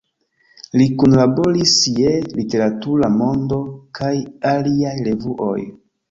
Li Kunlaboris je "Literatura Mondo" kaj aliaj revuoj.